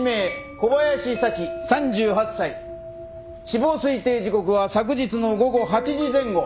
死亡推定時刻は昨日の午後８時前後。